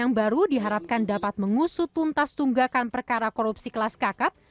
yang baru diharapkan dapat mengusut tuntas tunggakan perkara korupsi kelas kakap